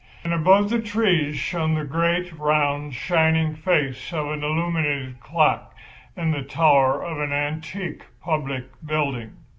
And above the trees shone the great, round, shining face of an illuminated clock in the tower of an antique public building.